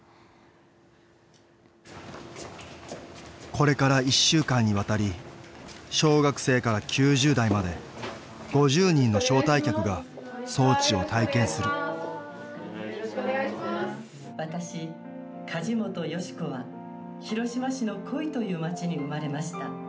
これから１週間にわたり小学生から９０代まで５０人の招待客が装置を体験する「私梶本淑子は広島市の己斐という町に生まれました。